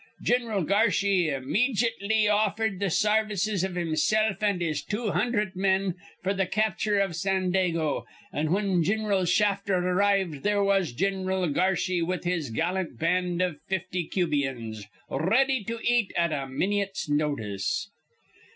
Gin'ral Garshy immedjitly offered th' sarvices iv himsilf an' his two hundherd men f'r th' capture iv Sandago; an', when Gin'ral Shafter arrived, there was Gin'ral Garshy with his gallant band iv fifty Cubians, r ready to eat at a minyit's notice.